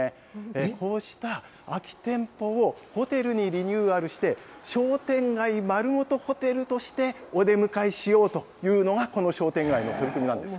こうした空き店舗をホテルにリニューアルして、商店街丸ごとホテルとして、お出迎えしようというのが、この商店街の取り組みなんです。